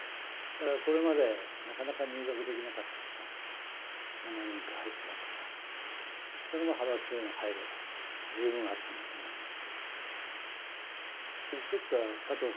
これまでなかなか入閣できなかった人が何人か入っていますからそれも派閥への配慮が十分あったんだと思います。